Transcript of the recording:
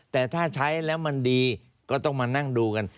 แต่ถ้าใช้แล้วมันดีก็ต้องมานั่งดูกัน